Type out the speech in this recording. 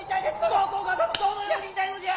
どこがどのようにいたいのじゃ！